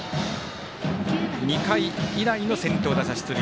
２回以来の先頭打者出塁。